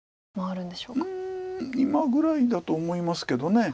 うん今ぐらいだと思いますけど。